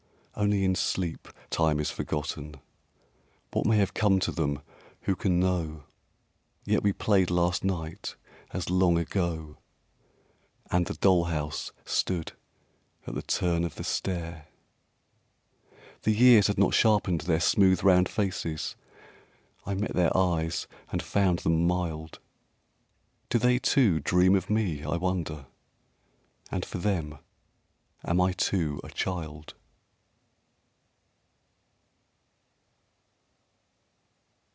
Only in sleep Time is forgotten What may have come to them, who can know? Yet we played last night as long ago, And the doll house stood at the turn of the stair. The years had not sharpened their smooth round faces, I met their eyes and found them mild Do they, too, dream of me, I wonder, And for them am I too a child?